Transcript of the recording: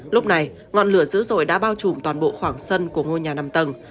lúc này ngọn lửa dữ dội đã bao trùm toàn bộ khoảng sân của ngôi nhà năm tầng